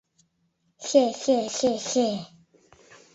Хе-хе-хе-хе!